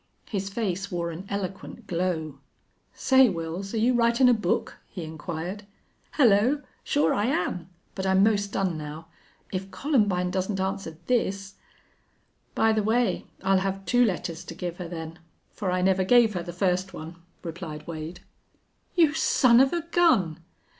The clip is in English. His face wore an eloquent glow. "Say, Wils, are you writin' a book?" he inquired. "Hello! Sure I am. But I'm 'most done now.... If Columbine doesn't answer this ..." "By the way, I'll have two letters to give her, then for I never gave her the first one," replied Wade. "You son of a gun!"